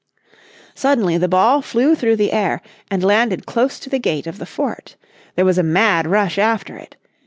Suddenly the ball flew through the air and landed close to the gate of the fort. There was a mad rush after it.